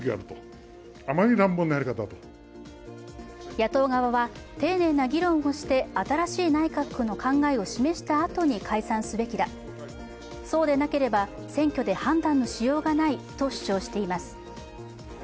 野党側は、丁寧な議論をして新しい内閣の考えを示したあとに解散すべきだ、そうでなければ選挙で判断のしようがないと主張しています。